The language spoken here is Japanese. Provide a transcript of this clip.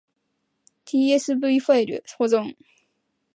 tsv ファイル保存